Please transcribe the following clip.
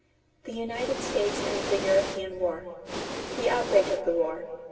THE UNITED STATES AND THE EUROPEAN WAR =The Outbreak of the War.